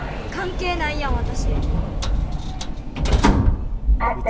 関係ないやん私。